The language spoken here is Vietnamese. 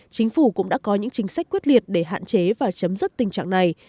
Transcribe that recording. chính phủ cũng đã có những chính sách quyết liệt để hạn chế và chấm dứt tình trạng này